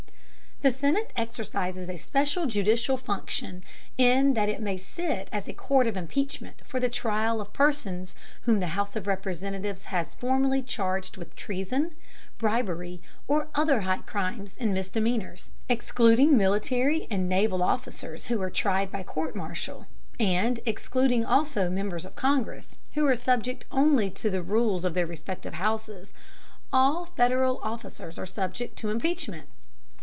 ] The Senate exercises a special judicial function in that it may sit as a court of impeachment for the trial of persons whom the House of Representatives has formally charged with treason, bribery, or other high crimes and misdemeanors. Excluding military and naval officers, who are tried by court martial, and excluding also members of Congress, who are subject only to the rules of their respective houses, all Federal officers are subject to impeachment.